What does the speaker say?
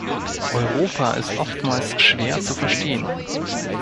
Europa ist oftmals schwer zu verstehen.